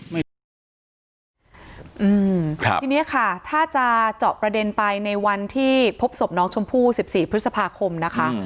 ทีนี้ค่ะถ้าจะเจาะประเด็นไปในวันที่พบศพน้องชมพู่๑๔พฤษภาคมนะคะ